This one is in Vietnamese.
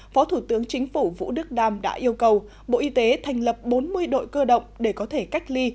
phó thủ tướng chính phủ vũ đức đam đã yêu cầu bộ y tế thành lập bốn mươi đội cơ động để có thể cách ly